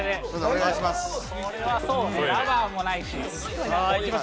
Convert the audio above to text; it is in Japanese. これはそうね、ラバーもないし。